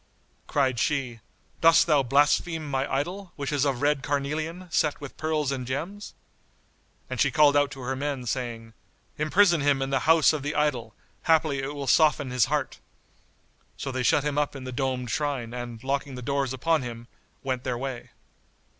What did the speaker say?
Cried she, "Dost thou blaspheme my idol, which is of red carnelian, set with pearls and gems?" And she called out to her men, saying, "Imprison him in the house of the idol; haply it will soften his heart." So they shut him up in the domed shrine and locking the doors upon him, went their way.